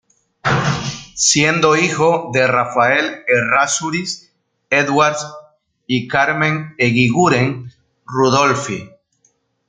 Siendo hijo de Rafael Errázuriz Edwards y Carmen Eguiguren Rudolphy.